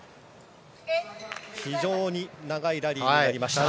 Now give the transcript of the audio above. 非常に長いラリーになりました。